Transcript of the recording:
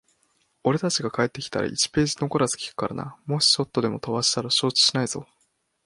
俺たちが帰ってきたら、一ページ残らず聞くからな。もしちょっとでも飛ばしていたら承知しないぞ。